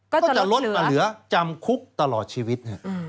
ก็จะลดมาเหลือจำคุกตลอดชีวิต